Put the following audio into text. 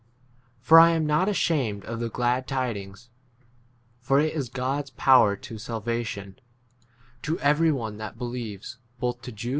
16 For I am not ashamed of the glad tidings : s for it is God's power to salvation, to every one that *' A called apostle,' and ver.